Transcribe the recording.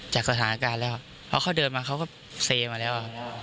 จากสถานการณ์แล้วเพราะเขาเดินมาเขาก็เซมาแล้ว